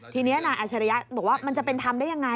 ทีนี้นายอัชริยะบอกว่ามันจะเป็นธรรมได้ยังไง